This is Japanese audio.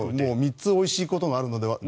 ３つおいしいことがあるので。